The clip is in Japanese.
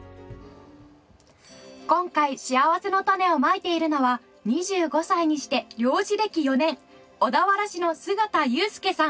今回しあわせのたねをまいているのは２５歳にして猟師歴４年小田原市の菅田悠介さん。